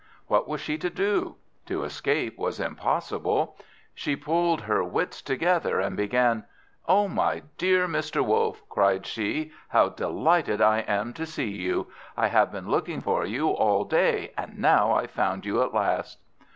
What was she to do? To escape was impossible. She pulled her wits together, and began "Oh, my dear Mr. Wolf!" cried she, "how delighted I am to see you. I have been looking for you all day, and now I've found you at last."